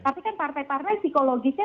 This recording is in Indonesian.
tapi kan partai partai psikologisnya